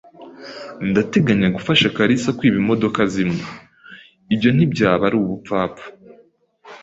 "Ndateganya gufasha kalisa kwiba imodoka zimwe." "Ibyo ntibyaba ari ubupfapfa."